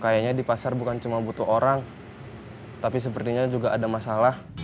kayaknya di pasar bukan cuma butuh orang tapi sepertinya juga ada masalah